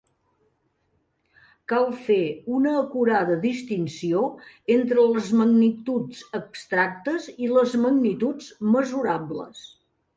Cal fer una acurada distinció entre les magnituds abstractes i les magnituds mesurables.